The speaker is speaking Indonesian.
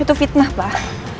itu fitnah pak